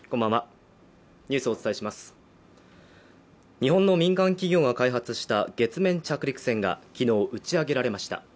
日本の民間企業が開発した月面着陸船が昨日、打ち上げられました。